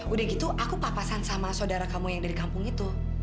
udah gitu aku papasan sama saudara kamu yang dari kampung itu